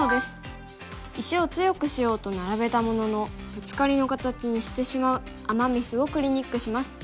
石を強くしようと並べたもののブツカリの形にしてしまうアマ・ミスをクリニックします。